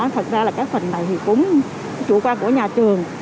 thật ra là các phần này thì cũng chủ quan của nhà trường